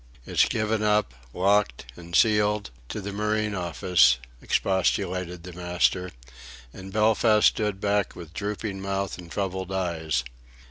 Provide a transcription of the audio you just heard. It's given up, locked and sealed, to the Marine Office," expostulated the master; and Belfast stood back, with drooping mouth and troubled eyes.